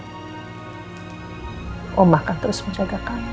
saya akan terus menjaga kamu